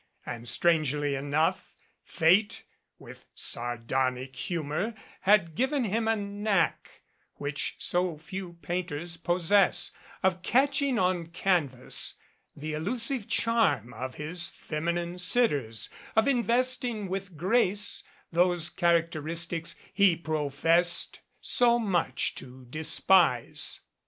And, strangely enough, Fate, with sardonic humor, had given him a knack, which so few painters possess, of catching on canvas the elusive charm of his feminine sitters, of investing with grace those characteristics he professed so much to de spise.